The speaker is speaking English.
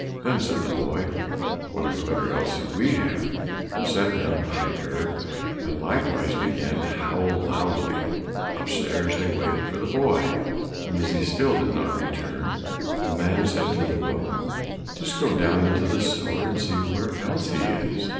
Then said the boy, "What a clever Elsie we have!" and sat down by her, and likewise began to howl loudly. Upstairs they waited for the boy, but as he still did not return, the man said to the woman, "Just go down into the cellar and see where Elsie is!"